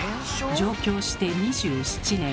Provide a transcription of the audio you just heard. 上京して２７年。